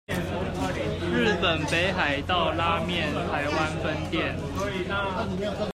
日本北海道拉麵台灣分店